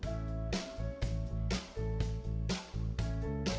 jadi kita bisa mencari produk yang lebih menarik